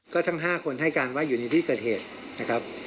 ก็ทั้ง๕คนให้การว่าอยู่ในที่เกิดเหตุนะครับ